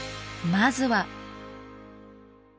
まずは。